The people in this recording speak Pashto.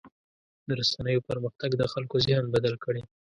د رسنیو پرمختګ د خلکو ذهن بدل کړی.